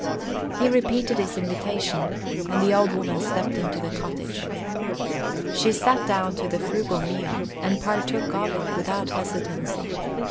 He repeated his invitation, and the old woman stepped into the cottage. She sat down to the frugal meal, and partook of it without hesitancy.